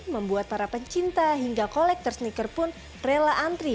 membuat para pencinta hingga kolektor sneaker pun rela antri